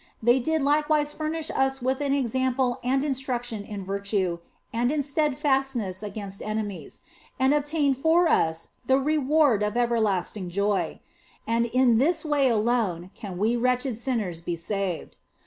They did likewise furnish us with an example and instruction in virtue and in steadfastness against enemies, and obtained for us the reward of ever lasting joy. And in this way alone can we wretched sinners be saved.